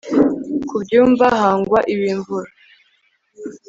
ku byumba hangwa ibimvura